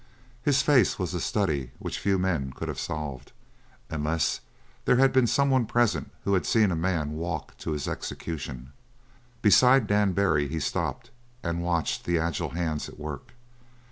His face was a study which few men could have solved; unless there had been someone present who had seen a man walk to his execution. Beside Dan Barry he stopped and watched the agile hands at work.